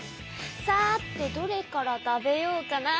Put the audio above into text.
さてどれから食べようかな。